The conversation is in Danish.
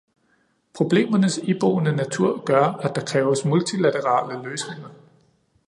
Problemernes iboende natur gør, at der kræves multilaterale løsninger.